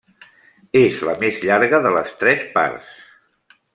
És la més llarga de les tres parts.